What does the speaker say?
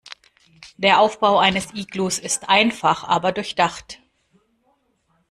Der Aufbau eines Iglus ist einfach, aber durchdacht.